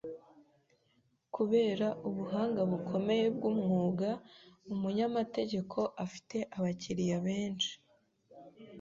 Kubera ubuhanga bukomeye bw'umwuga, umunyamategeko afite abakiriya benshi